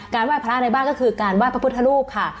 ไหว้พระในบ้านก็คือการไหว้พระพุทธรูปค่ะ